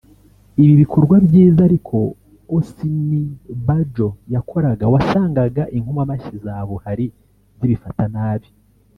Ibi bikorwa byiza ariko Osinibajo yakoraga wasangaga inkomamashyi za Buhari zibifata nabi